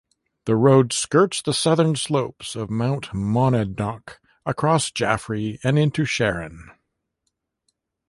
The road skirts the southern slopes of Mount Monadnock, across Jaffrey, and into Sharon.